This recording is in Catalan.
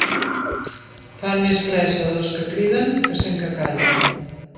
Fan més fressa dos que criden que cent que callen.